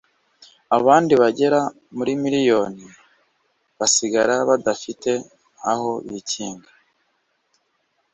abandi bagera kuri miliyoni basigara badafite aho bikinga